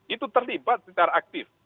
itu terlibat secara aktif